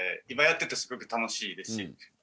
今やっててすごく楽しいですし。